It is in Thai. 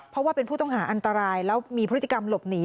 เพราะว่าเป็นผู้ต้องหาอันตรายแล้วมีพฤติกรรมหลบหนี